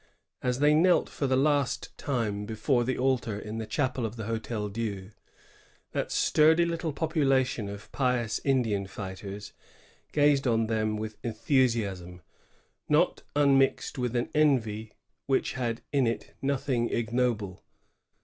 As they knelt for the last time before the altar in the chapel of the Hotel Dieu, that sturdy little population of pious Indian fighters gazed on them with enthusiasm, not unmixed with an envy which had in it nothing ignoble.